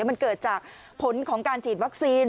มันเกิดจากผลของการฉีดวัคซีน